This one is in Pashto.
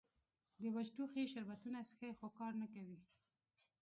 د وچ ټوخي شربتونه څښي خو کار نۀ کوي